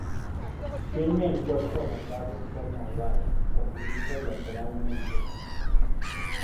Tiene el cuerpo alargado en forma oval, comprimido lateralmente.